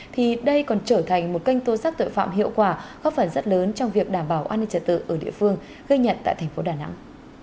thì đây còn trở thành một kênh tố giác tội phạm hiệu quả góp phần rất lớn trong việc đảm bảo an ninh trật tự ở địa phương gây nhận tại thành phố đà nẵng